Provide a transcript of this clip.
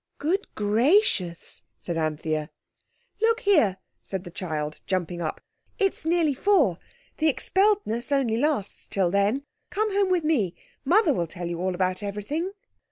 "Good gracious!" said Anthea. "Look here," said the child, jumping up, "it's nearly four. The expelledness only lasts till then. Come home with me. Mother will tell you all about everything."